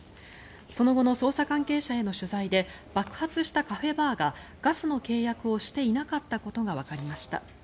その後の捜査関係者への取材で爆発したカフェバーがガスの契約をしていなかったことがわかりました。